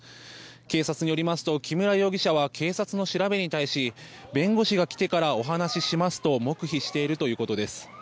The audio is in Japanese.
警察によりますと木村容疑者は警察の調べに対し弁護士が来てからお話ししますと黙秘しているということです。